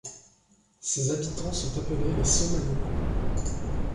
Ses habitants sont appelés les Somaillots.